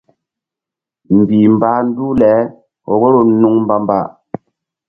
Mbih mbah nduh le vboro nuŋ mbamba.